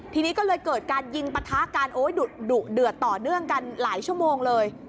ทีนี้ก็เลยเกิดการยิงปะทะกันโอ้ยดุเดือดต่อเนื่องกันหลายชั่วโมงเลย